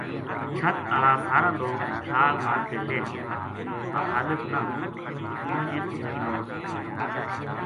چھَت ہالا سارا لوک چھال مار کے لہہ گیا با خالق نہ لَتھو کیوں جے اس کی موت آئی وی تھی